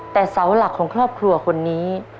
แต่เสาหลักของครอบครัวคนนี้